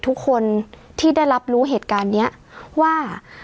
ทุกคนที่ได้รับรู้เหตุการณ์นี้ว่า